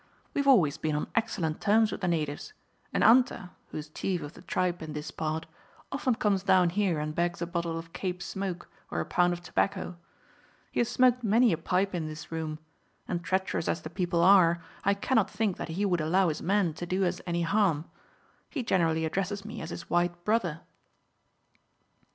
We have always been on excellent terms with the natives, and Anta, who is chief of the tribe in this part, often comes down here and begs a bottle of Cape smoke or a pound of tobacco. He has smoked many a pipe in this room, and treacherous as the people are, I cannot think that he would allow his men to do us any harm. He generally addresses me as his white brother."